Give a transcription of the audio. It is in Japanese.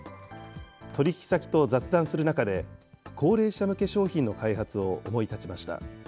取り引き先と雑談する中で、高齢者向け商品の開発を思い立ちました。